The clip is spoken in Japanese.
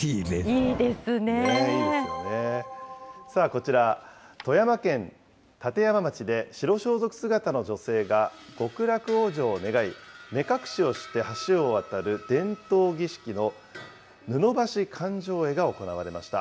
こちら、富山県立山町で、白装束姿の女性が極楽往生を願い、目隠しをして橋を渡る伝統儀式の布橋灌頂会が行われました。